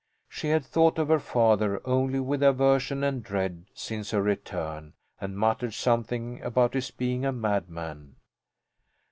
She had thought of her father only with aversion and dread since her return and muttered something about his being a madman.